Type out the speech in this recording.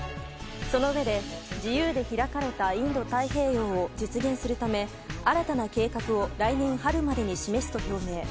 そのうえで自由で開かれたインド太平洋を実現するため新たな計画を来年春までに示すと表明。